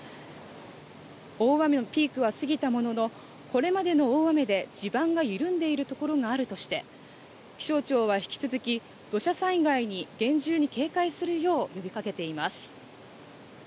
大雨のピークは過ぎたものの、これまでの大雨で地盤が緩んでいるところがあるとして、気象庁は引き続き土砂災害に厳重に警戒するよう呼び掛けています。